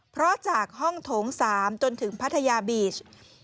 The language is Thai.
เพราะจากห้องโถง๓จนถึงพัทยาบีช